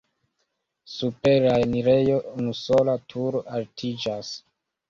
Super la enirejo unusola turo altiĝas.